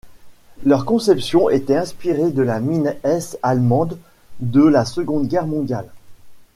Leur conception était inspirée de la Mine-S allemande de la Seconde Guerre mondiale.